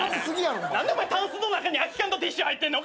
何でたんすの中に空き缶とティッシュ入ってんねん。